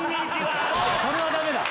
それはダメだ！